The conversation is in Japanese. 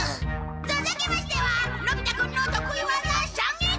続きましてはのび太くんの得意技射撃！